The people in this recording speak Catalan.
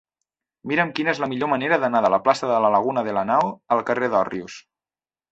Mira'm quina és la millor manera d'anar de la plaça de la Laguna de Lanao al carrer d'Òrrius.